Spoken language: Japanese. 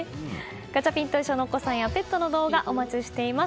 ガチャピンといっしょ！のお子さんやペットの動画お待ちしています。